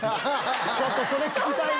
ちょっとそれ聴きたいな。